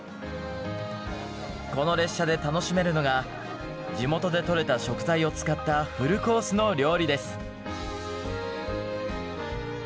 この列車で楽しめるのが地元で採れた食材を使ったフルコースの料理です。